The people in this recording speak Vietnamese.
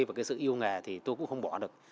và cái sự yêu nghề thì tôi cũng không bỏ được